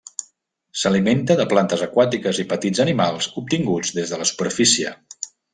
S'alimenta de plantes aquàtiques i petits animals obtinguts des de la superfície.